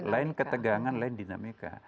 lain ketegangan lain dinamika